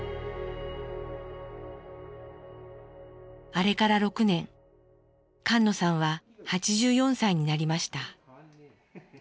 あれから６年菅野さんは８４歳になりました。